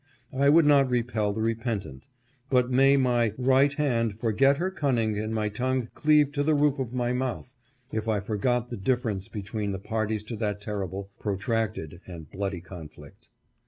I would not repel the repentant ; but may my ' right hand forget her cunning and my tongue cleave to the roof of my mouth,' if I forget the difference between the parties to that terrible, protracted, and bloody conflict.